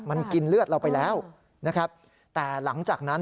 มันกินเลือดเราไปแล้วนะครับแต่หลังจากนั้น